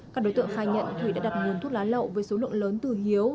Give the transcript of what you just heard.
các đối tượng khai nhận thủy đã đặt nguồn thuốc lá lậu với số lượng lớn từ hiếu